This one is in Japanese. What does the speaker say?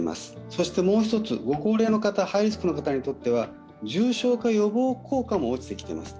そしてもう一つ、ご高齢の方、ハイリスクの方は重症化予防も落ちています。